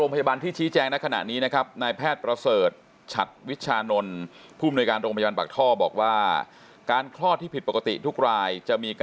โรงพยาบาลนี้เขาพิจัยนาได้เองเลยหรือยังไง